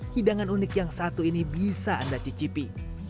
hidangan unik yang satu ini bisa anda cicipi